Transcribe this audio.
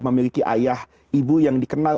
memiliki ayah ibu yang dikenal